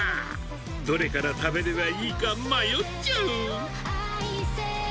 どれから食べればいいか、迷っちゃう。